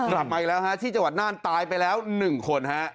กลับมาอีกแล้วฮะที่จังหวัดน่านตายไปแล้ว๑คนฮะ